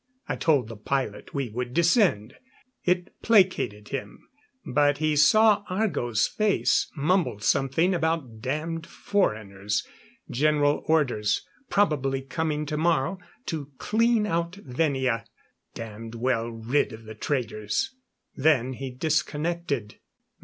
I told the pilot we would descend. It placated him; but he saw Argo's face, mumbled something about damned foreigners general orders probably coming tomorrow to clean out Venia damned well rid of the traitors. Then he disconnected.